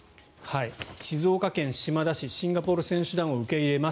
静岡県島田市シンガポール選手団を受け入れます。